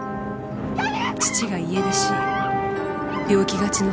父が家出し病気がちの母。